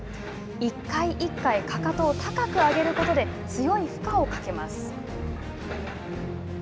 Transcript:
一回一回、かかとを高く上げることで強い負荷をかけます。